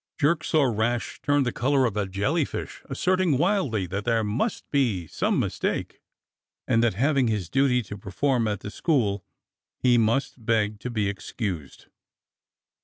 Jerk saw Rash turn the colour of a jellyfish, asserting wildly that there 80 DOCTOR SYN must be some mistake, and that having his duty to per form at the school he must beg to be excused.